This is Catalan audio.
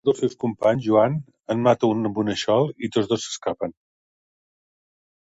Un dels seus companys, Juan, en mata un amb un aixol i tots dos s'escapen.